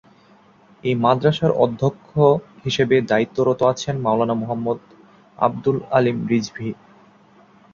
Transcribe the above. এই মাদ্রাসার অধ্যক্ষ হিসেবে দায়িত্বরত আছেন মাওলানা মুহাম্মদ আবদুল আলিম রিজভী।